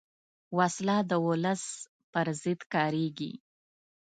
وسله د ولس پر ضد کارېږي